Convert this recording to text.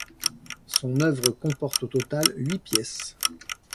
Son œuvre comporte au total huit pièces.